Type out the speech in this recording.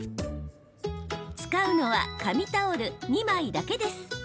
使うのは紙タオル２枚だけです。